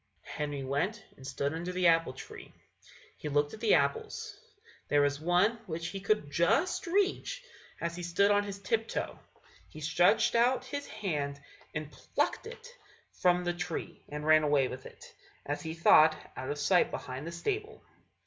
Henry went and stood under the apple tree. He looked at the apples; there was one which he could just reach as he stood on his tip toe. He stretched out his hand and plucked it from the tree, and ran with it, as he thought, out of sight behind the stable.